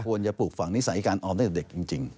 ควรจะปลูกฝั่งนิสัยการออมได้จากเด็กจริง